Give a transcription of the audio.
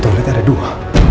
berarti tak ada dua